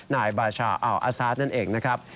นายบาชาอัลอาซาสนั่นเองนะครับ